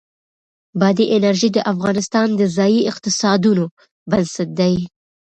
بادي انرژي د افغانستان د ځایي اقتصادونو بنسټ دی.